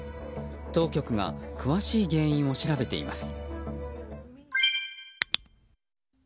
当局が詳しい原因を調べています。